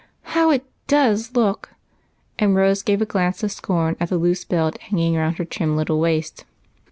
"How it does look!" and Rose gave a glance of scorn at the loose belt hanging round her trim little waist.